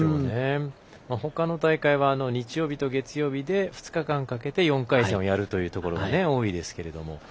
ほかの大会は日曜日と月曜日で２日間かけて４回戦をやるというところが多いですけども。